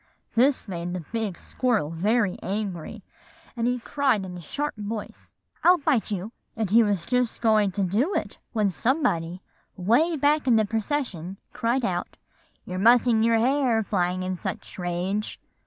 "This made the big squirrel very angry; and he cried in a sharp voice, 'I'll bite you;' and he was just going to do it, when somebody, way back in the procession, cried out, 'You're mussing your hair, flying in such a rage.